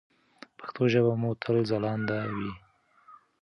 پښتو ژبه مو تل ځلانده وي.